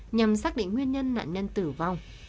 nhằm xác định nguyên nhân nạn nhân tử vong